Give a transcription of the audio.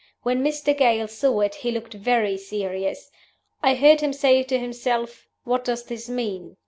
When Mr. Gale saw it he looked very serious. I heard him say to himself, 'What does this mean?